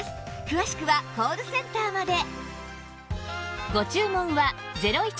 詳しくはコールセンターまで